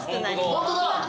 ホントだ。